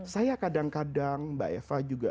saya kadang kadang mbak eva juga